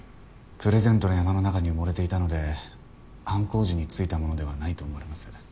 プレゼントの山の中に埋もれていたので犯行時に付いたものではないと思われます。